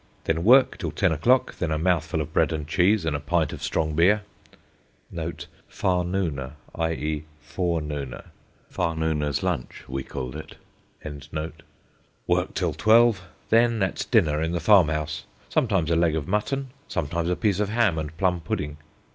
Then work till ten o'clock: then a mouthful of bread and cheese and a pint of strong beer ['farnooner,' i.e., forenooner; 'farnooner's lunch,' we called it]. Work till twelve. Then at dinner in the farm house; sometimes a leg of mutton, sometimes a piece of ham and plum pudding.